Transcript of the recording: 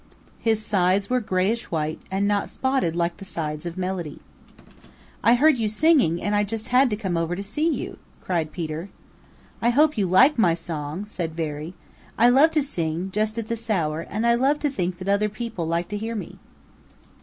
His sides were grayish white and not spotted like the sides of Melody. "I heard you singing and I just had to come over to see you," cried Peter. "I hope you like my song," said Veery. "I love to sing just at this hour and I love to think that other people like to hear me."